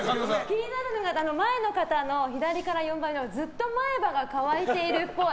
気になるのが前の方のずっと前歯が乾いているっぽい。